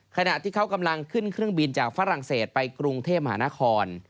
ขณะที่เขากำลังขึ้นเครื่องบินจากฝรั่งเศสไปกรุงเทพมหานคร